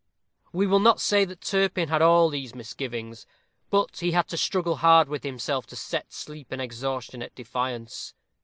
We will not say that Turpin had all these misgivings. But he had to struggle hard with himself to set sleep and exhaustion at defiance.